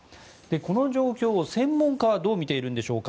この状況を専門家はどう見ているんでしょうか。